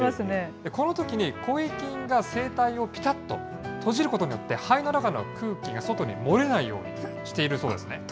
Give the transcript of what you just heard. このときに声筋が声帯をぴたっと閉じることによって、肺の中の空気が外に漏れないようにしているそうです。